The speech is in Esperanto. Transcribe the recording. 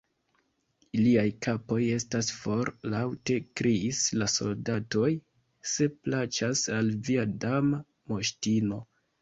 "Iliaj kapoj estas for " laŭte kriis la soldatoj "se plaĉas al via Dama Moŝtino."